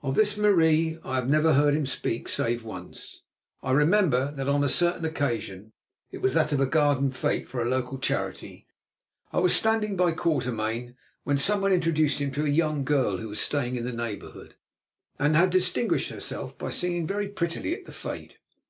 Of this Marie I never heard him speak, save once. I remember that on a certain occasion—it was that of a garden fête for a local charity—I was standing by Quatermain when someone introduced to him a young girl who was staying in the neighborhood and had distinguished herself by singing very prettily at the fête.